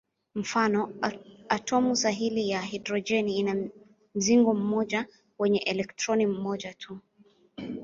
Mfano: atomu sahili ya hidrojeni ina mzingo mmoja wenye elektroni moja tu.